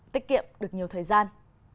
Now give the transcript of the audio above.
tích kiệm được nhiều thời gian